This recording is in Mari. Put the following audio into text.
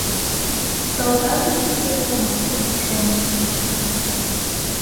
Салтакыште тӧрлана, шонышна.